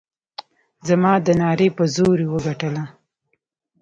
زما د نعرې په زور وګټله.